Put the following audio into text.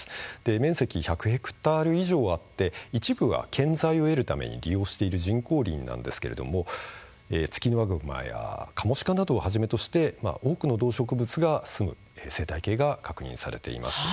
面積１００ヘクタール以上あって一部は建材を得るために利用している人工林なんですがツキノワグマやカモシカなどをはじめとして多くの動植物が住む生態系が確認されています。